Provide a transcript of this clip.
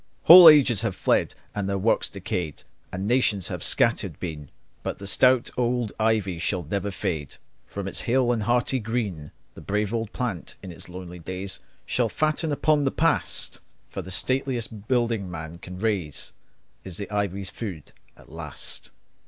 Whole ages have fled, and their works decayed, And nations have scattered been; But the stout old ivy shall never fade From its hale and hearty green. The brave old plant in its lonely days Shall fatten upon the past; For the stateliest building man can raise Is the ivy's food at last.